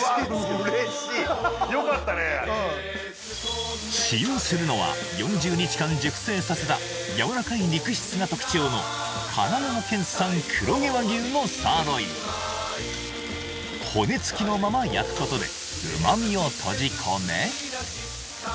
うん使用するのは４０日間熟成させたやわらかい肉質が特徴の神奈川県産黒毛和牛のサーロイン骨付きのまま焼くことで旨味を閉じ込め